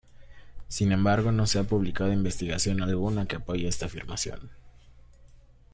Sin embargo, no se ha publicado investigación alguna que apoye esta afirmación.